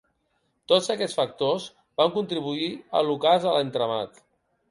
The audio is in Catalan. Tots aquests factors van contribuir a l'ocàs de l'entramat.